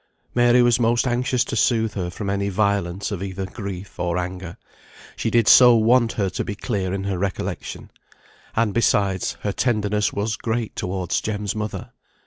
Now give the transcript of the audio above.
Mary was most anxious to soothe her from any violence of either grief or anger; she did so want her to be clear in her recollection; and, besides, her tenderness was great towards Jem's mother.